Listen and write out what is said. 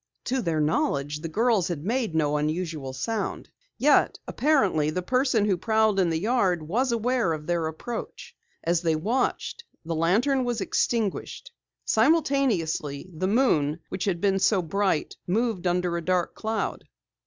To their knowledge the girls had made no unusual sound. Yet, apparently the person who prowled in the yard was aware of their approach. As they watched, the lantern was extinguished. Simultaneously, the moon, which had been so bright, moved under a dark cloud.